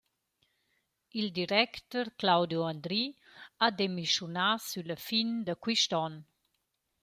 Il directer Claudio Andry ha demischiunà sülla fin da quist on.